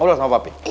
mau lah sama papi